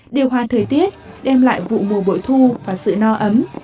điều hòa thời tiết đem lại vụ mùa bội thu và sự no ấm